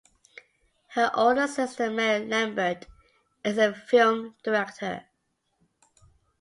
Her older sister, Mary Lambert, is a film director.